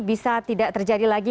bisa tidak terjadi lagi